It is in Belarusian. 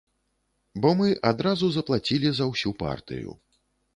Бо мы адразу заплацілі за ўсю партыю.